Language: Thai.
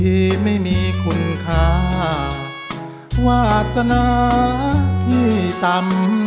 ที่ไม่มีคุณค่าวาสนาที่ต่ำ